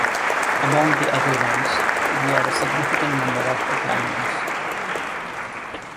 Among the adherents were a significant number of Italians.